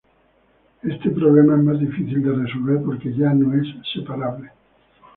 Este problema es más difícil de resolver porque ya no es separable.